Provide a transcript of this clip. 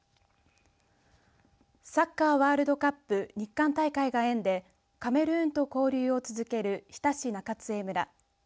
サッカーワールドカップ日韓大会が縁でカメルーンと交流を続ける日田市中津江村